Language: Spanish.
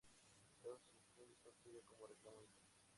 Esta sugestión visual sirve como reclamo intimo.